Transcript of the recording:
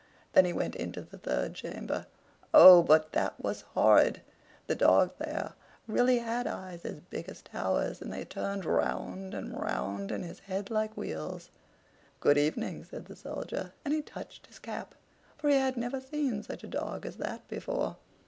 Then he went into the third chamber. Oh, but that was horrid! The dog there really had eyes as big as towers, and they turned round and round in his head like wheels. "Good evening!" said the Soldier; and he touched his cap, for he had never seen such a dog as that before.